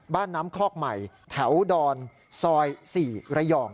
บ้านน้ำคอกใหม่แถวดอนซอย๔ระยอง